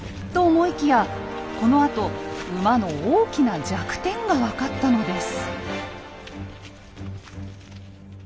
このあと馬の大きな弱点が分かったのです。